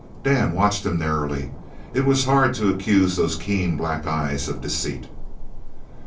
Dan watched him narrowly. It was hard to accuse those keen black eyes of deceit.